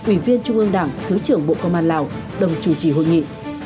ủy viên trung ương đảng thứ trưởng bộ công an lào đồng chủ trì hội nghị